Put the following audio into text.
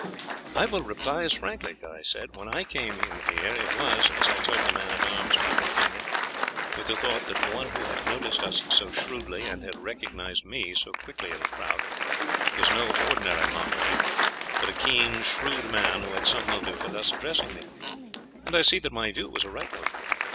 "I will reply as frankly," Guy said. "When I came in here it was, as I told the man at arms my companion, with the thought that one who had noticed us so shrewdly, and had recognized me so quickly in the crowd, was no ordinary mountebank, but a keen, shrewd man who had some motive for thus addressing me, and I see that my view was a right one.